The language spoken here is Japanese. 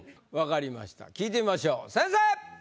分かりました聞いてみましょう先生！